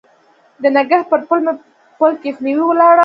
د نګهت پر پل مې پل کښېښوی ولاړم